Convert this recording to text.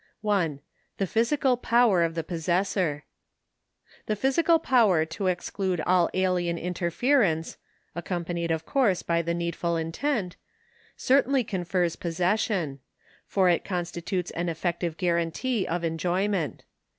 ^ 1. Thephysical'power of the possessor. The physical power to exclude all alien interference (accompanied of course by the needful intent) certainly confers possession ; for it consti tutes an effective guarantee of enjoyment.